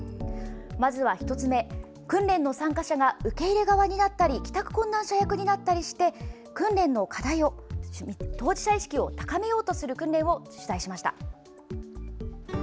まずは１つ目、訓練の参加者が受け入れ側になったり帰宅困難者役になったりして当事者意識を高めようとする訓練を取材しました。